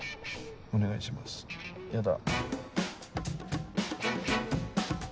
お願いしますヤダ。